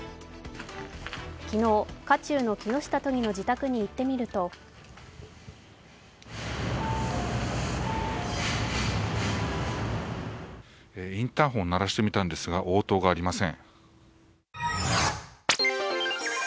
昨日、渦中の木下都議の自宅に行ってみるとインターホンを鳴らしてみたんですが、応答がありません。